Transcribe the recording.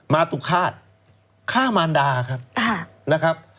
มาตุฆาตฆ่ามารดาครับนะครับ